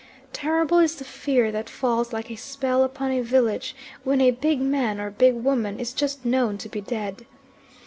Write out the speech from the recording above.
Terrible is the fear that falls like a spell upon a village when a big man, or big woman is just known to be dead.